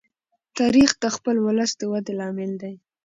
تاریخ د خپل ولس د ودې لامل دی.